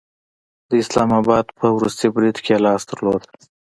د اسلام آباد په وروستي برید کې یې لاس درلود